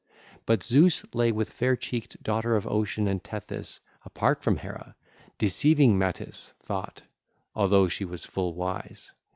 But Zeus lay with the fair cheeked daughter of Ocean and Tethys apart from Hera.... ((LACUNA)) ....deceiving Metis (Thought) although she was full wise.